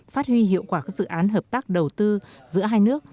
phát huy hiệu quả các dự án hợp tác đầu tư giữa hai nước